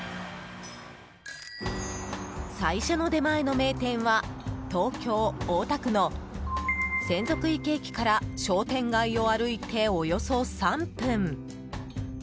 最初の出前の名店は東京・大田区の洗足池駅から商店街を歩いて、およそ３分。